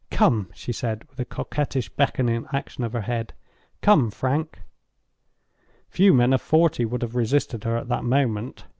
"Come!" she said, with a coquettish beckoning action of her head. "Come, Frank!" Few men of forty would have resisted her at that moment.